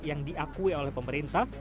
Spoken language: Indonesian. yang diakui oleh pemerintah